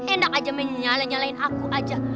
enak aja menyalah nyalahin aku aja